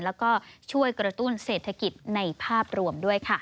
แล้วก็ช่วยกระตุ้นเศรษฐกิจในภาพรวมด้วยค่ะ